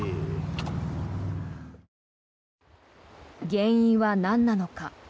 原因はなんなのか？